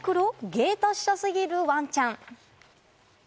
芸達者すぎるワンちゃん。